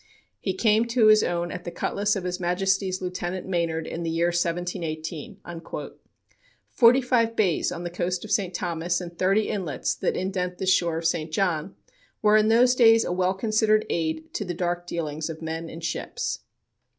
He came to his own at the cutlass of his Majesty's Lieutenant Maynard in the year 1718." Forty five bays on the coast of St. Thomas and thirty inlets that indent the shore of St. John were in those days a well considered aid to the dark dealings of men and ships.